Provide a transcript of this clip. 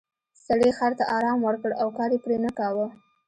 سړي خر ته ارام ورکړ او کار یې پرې نه کاوه.